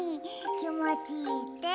きもちいいって。